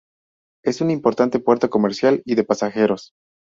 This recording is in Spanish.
Es un importante puerto comercial y de pasajeros.